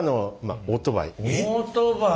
オートバイ。